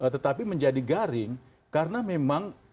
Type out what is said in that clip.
tetapi menjadi garing karena memang